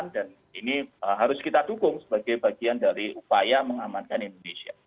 dan ini harus kita dukung sebagai bagian dari upaya mengamankan indonesia